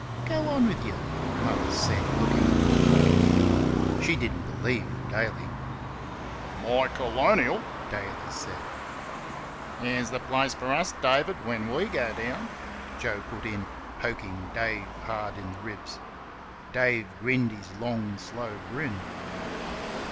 "Go on with you!" Mother said, looking on the floor. She didn't believe Daly. "My colonial!" Daly said. "That's th' place for us, David, when we go down!" Joe put in, poking Dave hard in the ribs. Dave grinned his long slow grin.